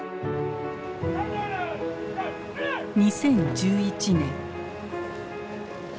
２０１１年。